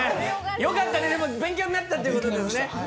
よかったね、勉強になったということだもんね。